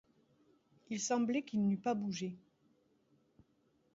Il semblait qu'il n'eût pas bougé.